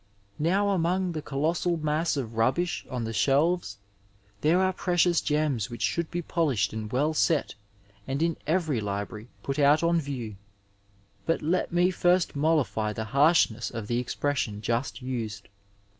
Now among the colossal mass of rubbish on the sbdyes there are precious gems which should be polished and well set and in every library put out on view. But let me first mollify the harshness of the expression just uaed.